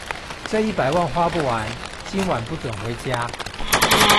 這一百萬花不完，今晚不准回家